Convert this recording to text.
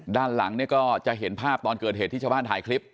ด้านหลังเนี่ยก็จะเห็นภาพตอนเกิดเหตุที่ชาวบ้านถ่ายคลิป